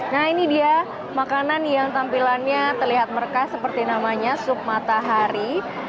nah ini dia makanan yang tampilannya terlihat merkah seperti namanya sup matahari